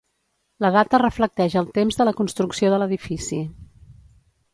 La data reflecteix el temps de la construcció de l'edifici.